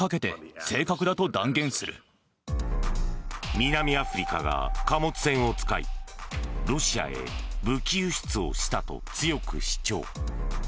南アフリカが貨物船を使いロシアへ武器輸出をしたと強く主張。